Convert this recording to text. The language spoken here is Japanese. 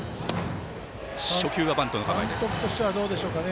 監督としてはどうですかね。